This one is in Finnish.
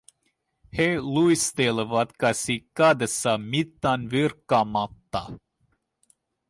He luistelivat käsi kädessä mitään virkkamatta.